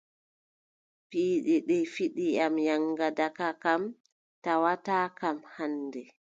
Piiɗe ɗe fiyi am, yaŋgada ka kam tawataakam hannde.